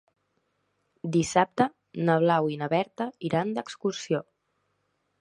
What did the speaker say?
Dissabte na Blau i na Berta iran d'excursió.